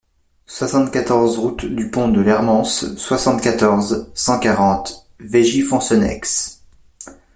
soixante-quatorze route du Pont de l'Hermance, soixante-quatorze, cent quarante, Veigy-Foncenex